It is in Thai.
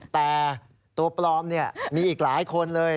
แต่ตัวปลอมมีอีกหลายคนเลย